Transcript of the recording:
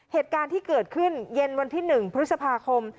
เหตุการณ์ที่เกิดขึ้นเย็นวันที่๑พฤษภาคม